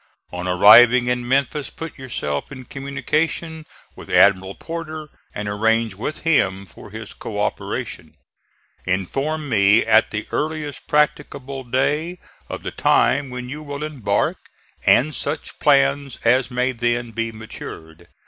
On arriving in Memphis, put yourself in communication with Admiral Porter, and arrange with him for his co operation. Inform me at the earliest practicable day of the time when you will embark, and such plans as may then be matured.